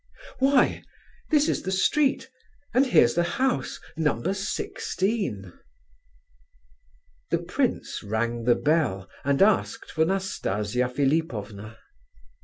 Why, this is the street, and here's the house, No. 16. The prince rang the bell, and asked for Nastasia Philipovna.